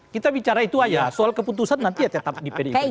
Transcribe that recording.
kita bicara itu aja soal keputusan nanti ya tetap di pdi perjuangan